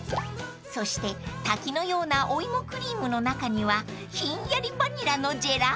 ［そして滝のようなお芋クリームの中にはひんやりバニラのジェラート］